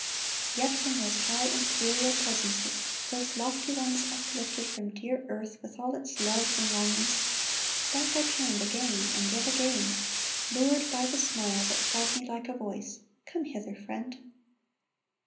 Yet from those high, imperial presences, Those lofty ones uplifted from dear earth With all its loves and longings, back I turned 4S6 IN A GALLERY Again and yet again, lured by the smile That called me like a voice, " Come hither, friend